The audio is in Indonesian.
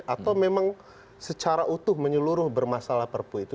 atau memang secara utuh menyeluruh bermasalah perpu itu